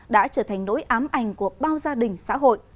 đã trở thành nỗi ám ảnh của bao gia đình xã hội